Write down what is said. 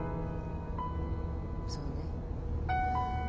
そうね。